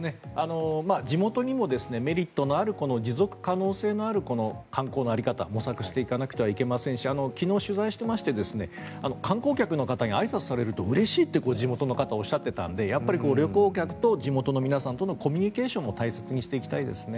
地元にもメリットのあるこの持続可能性のある観光の在り方を模索していかないといけないし昨日取材していまして観光客の方にあいさつされるとうれしいって地元の方がおっしゃっていたので旅行客と地元の方とのコミュニケーションも大切にしていきたいですね。